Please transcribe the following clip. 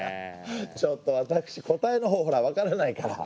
ちょっと私答えのほうほらわからないから。